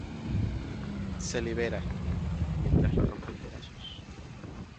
Se libera, mientras lo rompe en pedazos.